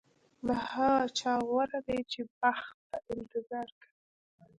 له هغه چا غوره دی چې بخت ته انتظار کوي.